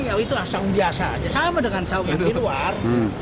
ya itu asam biasa aja sama dengan saung yang di luar